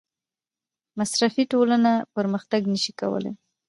مصرفي ټولنه پرمختګ نشي کولی.